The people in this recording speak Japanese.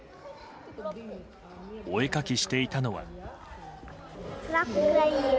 お絵描きしていたのは。